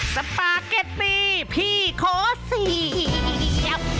สปาเก็ตปีพี่ขอเสียบ